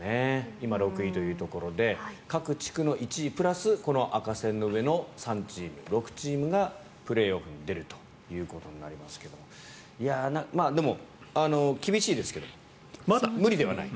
今、６位というところで各地区の１位プラスこの赤線の上の３チーム、６チームがプレーオフに出るということになりますけどでも、厳しいですけどまだ無理ではない。